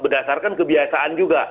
berdasarkan kebiasaan juga